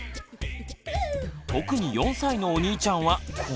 特に４歳のお兄ちゃんはこのとおり。